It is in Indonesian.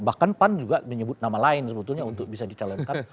bahkan pan juga menyebut nama lain sebetulnya untuk bisa dicalonkan